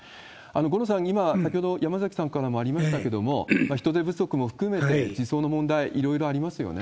五郎さん、今先ほど、山崎さんからもありましたけれども、人手不足も含めて、児相の問題、いろいろありますよね。